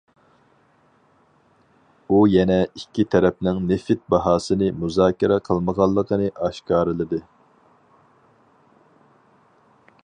ئۇ يەنە ئىككى تەرەپنىڭ نېفىت باھاسىنى مۇزاكىرە قىلمىغانلىقىنى ئاشكارىلىدى.